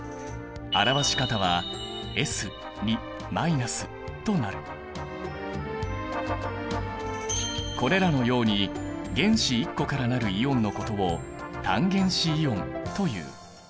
表し方はこれらのように原子１個から成るイオンのことを単原子イオンという。